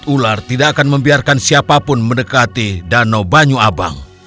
rambut ular tidak akan membiarkan siapapun mendekati danau banyu abang